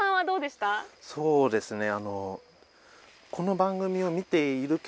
そうですね。